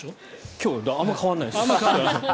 今日あんま変わらないです。